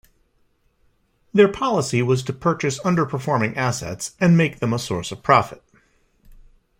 Their policy was to purchase underperforming assets and make them a source of profit.